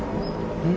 うん？